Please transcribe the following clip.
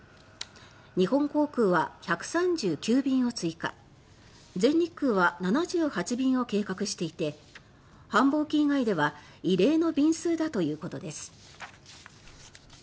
日本航空は１３９便を追加全日空は７８便を計画していて繁忙期以外では異例の便数だということです。